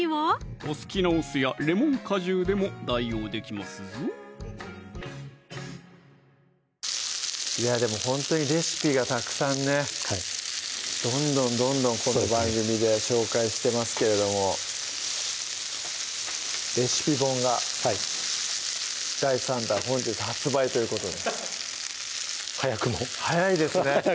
お好きなお酢やレモン果汁でも代用できますぞでもほんとにレシピがたくさんねどんどんどんどんこの番組で紹介してますけれどもレシピ本がはい第３弾本日発売ということで早くも早いですね